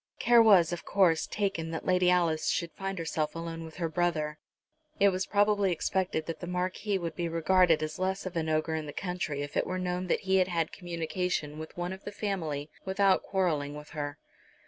Care was, of course, taken that Lady Alice should find herself alone with her brother. It was probably expected that the Marquis would be regarded as less of an ogre in the country if it were known that he had had communication with one of the family without quarrelling with her.